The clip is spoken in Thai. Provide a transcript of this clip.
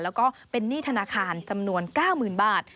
แล้วก็เป็นนี่ธนาคารจำนวน๙หมื่นบาท